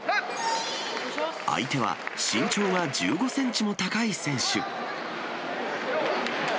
相手は身長が１５センチも高い選手。